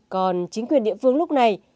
còn chính quyền địa phương lúc này